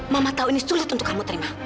mama tahu ini sulit untuk kamu terima